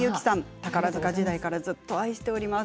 宝塚時代から愛しております。